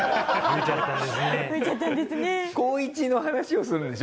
高１の話をするんでしょ？